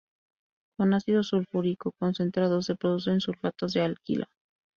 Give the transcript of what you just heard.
Con ácido sulfúrico concentrado se producen sulfatos de alquilo.